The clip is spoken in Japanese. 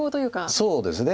そうですね。